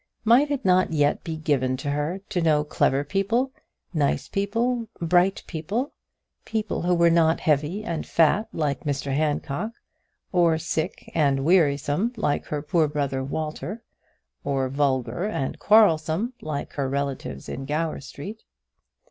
Might it not yet be given to her to know clever people, nice people, bright people, people who were not heavy and fat like Mr Handcock, or sick and wearisome like her poor brother Walter, or vulgar and quarrelsome like her relatives in Gower Street?